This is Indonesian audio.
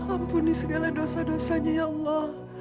ampuni segala dosa dosanya ya allah